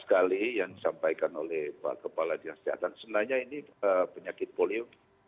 kali yang disampaikan oleh pak kepala dinkes kc sebenarnya ini penyakit polio